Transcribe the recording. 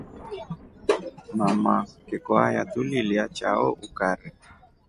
Mama kikwaya tuliliya chao ukari.